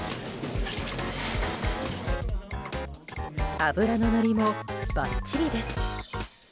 脂ののりもばっちりです。